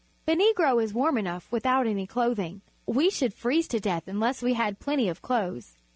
The Negro is warm enough without any clothing. We should freeze to death un less we had plenty of clothes.